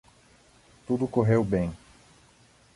Tudo correu bem.